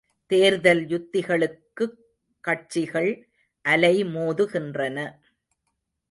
தேர்தல் யுத்திகளுக்குக் கட்சிகள் அலைமோதுகின்றன.